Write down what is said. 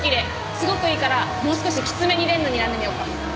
すごくいいからもう少しきつめにレンズにらんでみようか。